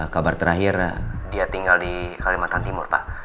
kabar terakhir dia tinggal di kalimantan timur pak